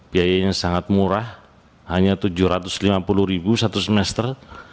biayanya sangat murah hanya rp tujuh ratus lima puluh satu semester